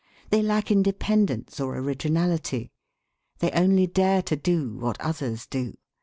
They lack independence or originality. They only dare to do what others do.